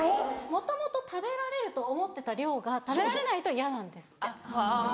もともと食べられると思ってた量が食べられないと嫌なんですって。